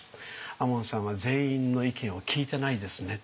亞門さんは全員の意見を聞いてないですね」。